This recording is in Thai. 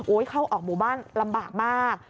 เข้าออกหมู่บ้านลำบากมาก